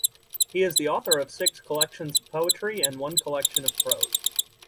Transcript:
He is the author of six collections of poetry and one collection of prose.